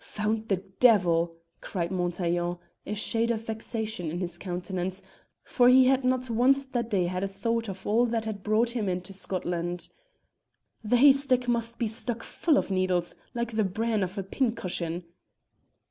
"Found the devil!" cried Montaiglon, a shade of vexation in his countenance, for he had not once that day had a thought of all that had brought, him into Scotland. "The haystack must be stuck full of needles like the bran of a pin cushion."